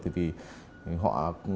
thì vì họ